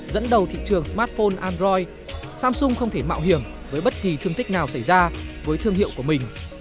dẫn đầu thị trường smartphone android samsung không thể mạo hiểm với bất kỳ thương tích nào xảy ra với thương hiệu của mình